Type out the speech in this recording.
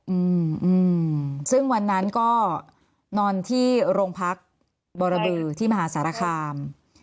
อืมอืมซึ่งวันนั้นก็นอนที่โรงพักบรบือที่มหาสารคาม